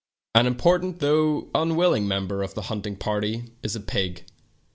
An important, though an unwilling member of the hunting party is a pig.